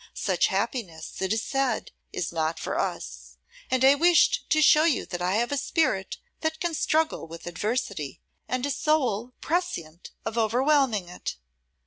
Such happiness, it is said, is not for us. And I wished to show you that I have a spirit that can struggle with adversity, and a soul prescient of overwhelming it.